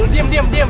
diam diam diam